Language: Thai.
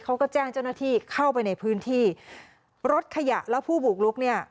เขาก็แจ้งเจ้าหน้าที่เข้าไปในพื้นที่รถขยะแล้วผู้บุกลุกเนี่ย